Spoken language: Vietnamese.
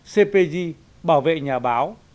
cpj bảo vệ nhà báo